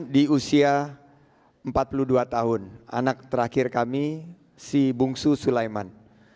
di usia empat puluh dua tahun anak terakhir kami si bungsu sulaiman